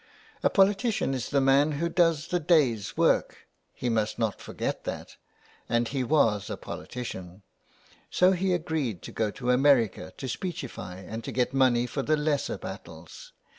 A politician is the man who does the day's work ; he must not forget that ; and he was a politician. So he agreed to go to America to speechify and to get money for the lesser battles.